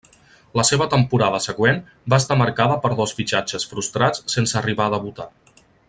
La seva temporada següent va estar marcada per dos fitxatges frustrats sense arribar a debutar.